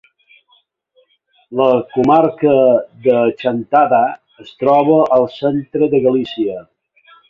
La comarca de Chantada es troba al centre de Galícia.